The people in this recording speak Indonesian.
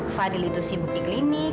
fadhil itu sibuk di klinik